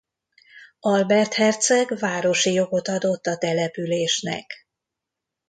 Albert herceg városi jogot adott a településnek.